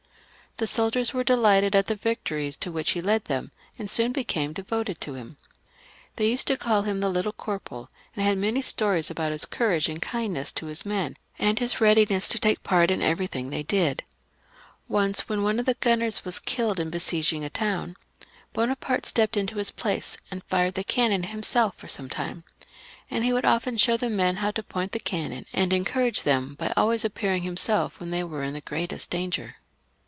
The soldiers were delighted at the victories to which he led them, and soon became devoted to him. They used to caU him the Little Corporal, and had many stories about his courage and kindness to his men, and his readiness to take part in everything they did. Once, when one of his gunners was killed in besieging a town, Bonaparte stepped into his place, and fired the cannon himself for some time ; and he would often show the men how to point the cannon, and encourage them by always appeaxing himseK when they were in the greatest danger.